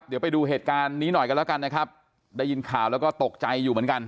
เดี๋ยวไปดูเหตุการณ์นี้หน่อยกันแล้วกันนะครับได้ยินข่าวแล้วก็ตกใจอยู่เหมือนกัน